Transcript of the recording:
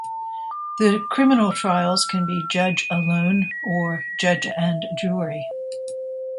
The criminal trials can be judge alone or judge and jury.